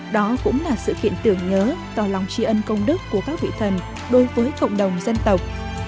đó cũng là sự kiện tưởng nhớ tỏ lòng tri ân công đức của các vị thần đối với cộng đồng dân tộc